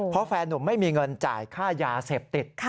เพราะแฟนนุ่มไม่มีเงินจ่ายค่ายาเสพติด